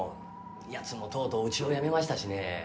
やつもとうとううちを辞めましたしね。